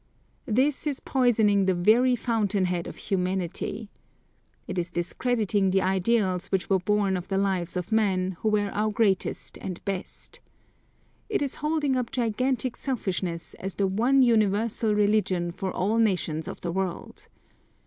This is poisoning the very fountain head of humanity. It is discrediting the ideals, which were born of the lives of men, who were our greatest and best. It is holding up gigantic selfishness as the one universal religion for all nations of the world.